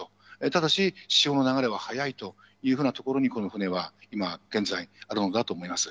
ただし、潮の流れは速いというふうな所に、この船は今現在、あるのだと思います。